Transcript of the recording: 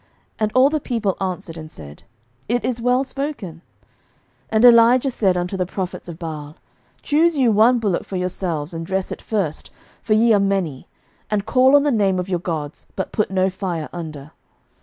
And all the people answered and said, It is well spoken. 11:018:025 And Elijah said unto the prophets of Baal, Choose you one bullock for yourselves, and dress it first; for ye are many; and call on the name of your gods, but put no fire under.